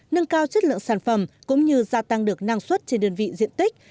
nâng cao chất lượng sản phẩm cũng như gia tăng được năng suất trên đơn vị diện tích